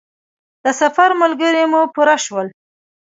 د سفر ملګري مو پوره شول.